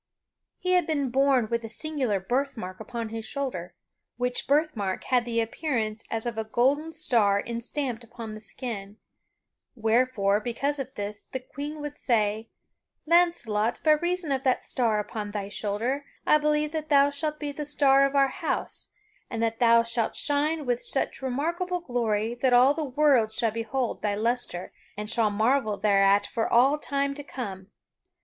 He had been born with a singular birth mark upon his shoulder, which birth mark had the appearance as of a golden star enstamped upon the skin; wherefore, because of this, the Queen would say: "Launcelot, by reason of that star upon thy shoulder I believe that thou shalt be the star of our house and that thou shalt shine with such remarkable glory that all the world shall behold thy lustre and shall marvel thereat for all time to come."